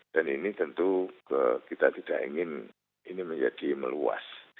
dan ini tentu kita tidak ingin ini menjadi meluas